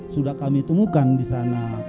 sudah kami temukan di sana